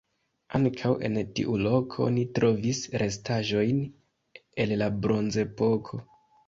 Ankaŭ en tiu loko oni trovis restaĵojn el la bronzepoko.